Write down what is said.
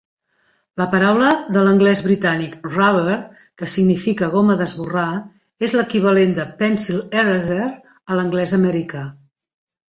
La paraula de l'anglès britànic "rubber", que significa goma d'esborrar, és l'equivalent de "pencil eraser" a l'anglès americà.